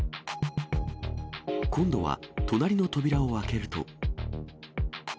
今度は隣の扉を開けると。